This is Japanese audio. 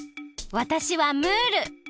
わたしはムール。